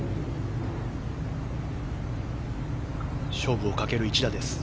勝負をかける一打です。